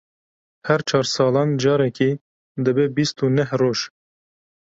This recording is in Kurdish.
Her çar salan carekê dibe bîst û neh roj.